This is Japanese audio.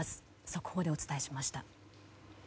速報でお伝えしました。